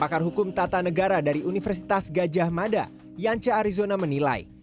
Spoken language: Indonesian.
pakar hukum tata negara dari universitas gajah mada yance arizona menilai